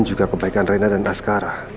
juga kebaikan rena dan askara